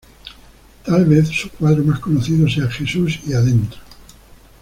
Tal vez su cuadro más conocido sea "¡Jesús y adentro!".